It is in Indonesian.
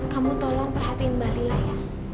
kamu tolong perhatiin mbak lila ya